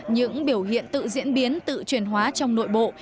những biểu hiện tự diễn biến tự truyền hóa trong nội bộ